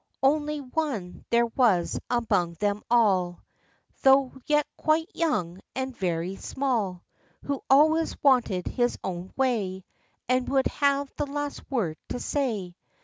Only one there was among them all, Though yet quite young, and very small, Who always wanted his own way, And would have the last word to say.